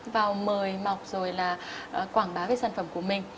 vào mời mọc rồi là quảng bá cái sản phẩm của mình